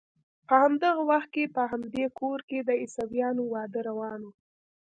په همدغه وخت کې په همدې کور کې د عیسویانو واده روان و.